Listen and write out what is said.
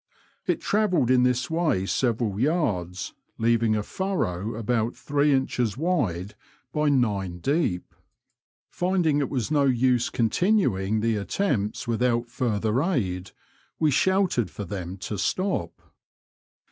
It travelled in this way several yards, leaving a furrow about three inches wide by nine deep. Finding it was no use continuing the attempts without further aid, we shouted for them to stop.